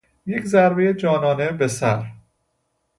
یک ضربهی جانانه به سر